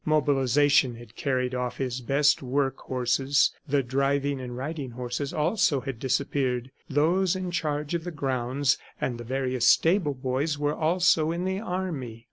Mobilization had carried off his best work horses; the driving and riding horses also had disappeared. Those in charge of the grounds and the various stable boys were also in the army.